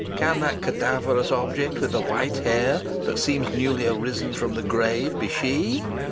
Can that cadaverous object, with the white hair, that seems newly arisen from the grave, be she?